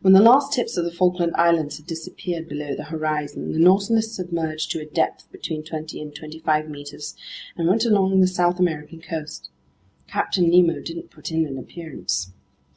When the last tips of the Falkland Islands had disappeared below the horizon, the Nautilus submerged to a depth between twenty and twenty five meters and went along the South American coast. Captain Nemo didn't put in an appearance.